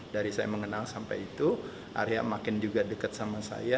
dari saya mengenal sampai itu arya makin juga dekat sama saya